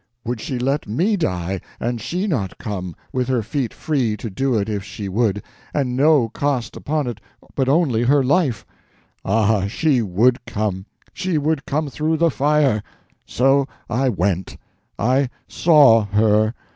Would she let me die and she not come—with her feet free to do it if she would, and no cost upon it but only her life? Ah, she would come—she would come through the fire! So I went. I saw her.